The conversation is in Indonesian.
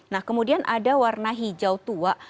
nah kemudian ada warna hijau tua